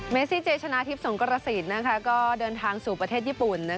เซชนะทิพย์สงกรสินก็เดินทางสู่ประเทศญี่ปุ่น